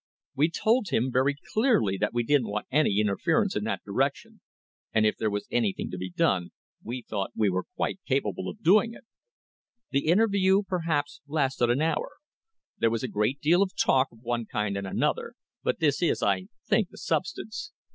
We told him very clearly that we didn't want any interference in that direction, and if there was anything to be done, we thought we were quite capable of doing it. The interview perhaps lasted an hour. There was a great deal of talk of one kind and another, but this is, I think, the substance.